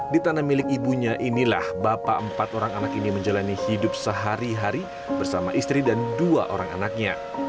di tanah milik ibunya inilah bapak empat orang anak ini menjalani hidup sehari hari bersama istri dan dua orang anaknya